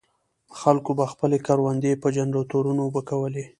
خلکو به خپلې کروندې په جنراټورونو اوبه کولې.